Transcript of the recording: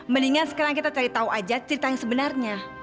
mendingan sekarang kita cari tahu aja cerita yang sebenarnya